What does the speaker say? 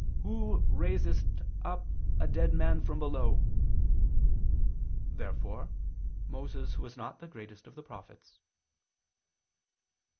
Who raisedst up a dead man from below." Therefore Moses was not the greatest of the prophets.